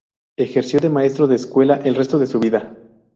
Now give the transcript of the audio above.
Ejerció de maestro de escuela el resto de su vida.